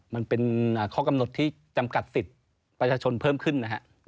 มันเป็นข้อกำหนดที่จำกัดสิทธิ์ประชาชนเพิ่มขึ้นนะฮะ